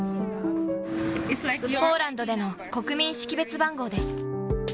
ポーランドでの国民識別番号